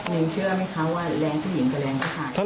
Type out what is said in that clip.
หนึ่งเชื่อไหมคะว่าแรงผู้หญิงกับแรงผู้ชาย